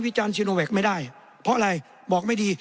จารณชิโนแวคไม่ได้เพราะอะไรบอกไม่ดี